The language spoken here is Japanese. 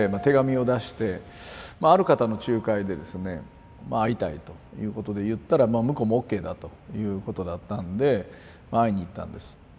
ある方の仲介でですね会いたいということで言ったら向こうもＯＫだということだったんで会いに行ったんです。